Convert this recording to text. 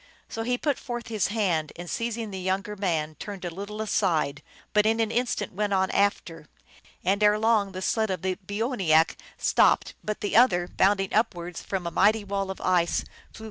So he put forth his hand, and, seizing the younger man, turned a little aside, but in an instant went on after ; and erelong the sled of the boo oinak stopped, but the other, bounding upwards from a mighty wall of ice, flew far 1 Toboggin : a sled or sledge.